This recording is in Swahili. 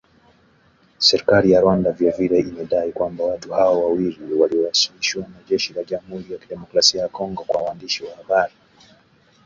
Serikali ya Rwanda vile vile imedai kwamba watu hao wawili walioasilishwa na jeshi la Jamuhuri ya kidemokrasia ya Kongo kwa waandishi wa habari